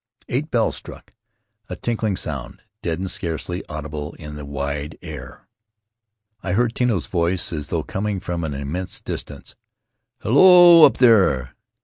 Eight bells struck, a tinkling sound, deadened, scarcely audible in the wide air. I heard Tino's voice as though coining from an immense distance: "Hello, up there!